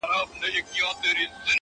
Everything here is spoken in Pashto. o د ګیلاس لوري د شراب او د مینا لوري؛